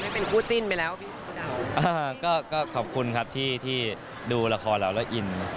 เป็นคู่จิ้นไปแล้วพี่เดาก็ขอบคุณครับที่ที่ดูละครเราแล้วแล้วอิน